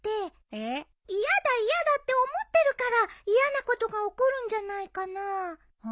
嫌だ嫌だって思ってるから嫌なことが起こるんじゃないかな。